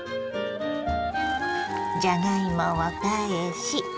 じゃがいもを返し